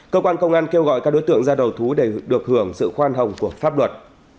cơ quan công an kêu gọi các đối tượng ra đầu thú để được hưởng sự khoan hồng của pháp luật